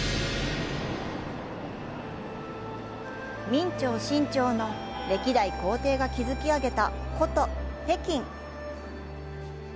明朝、清朝の歴代皇帝が築き上げた古都・北京。